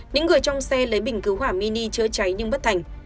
những người trong xe lấy bình cứu hỏa mini chữa cháy nhưng bất thành